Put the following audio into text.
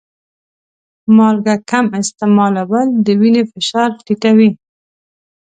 مالګه کم استعمالول د وینې فشار ټیټوي.